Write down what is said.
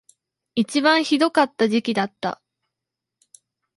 一番ひどかった時期だった